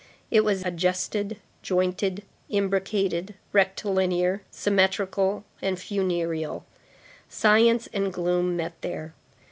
It was adjusted, jointed, imbricated, rectilinear, symmetrical and funereal. Science and gloom met there.